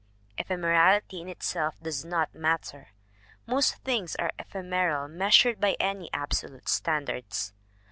Ephemerality in itself does not matter; most things are ephemeral measured by any absolute standards.